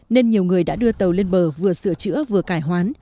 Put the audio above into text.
nên nhiều người đã đưa tàu lên bờ vừa sửa chữa vừa cải hoán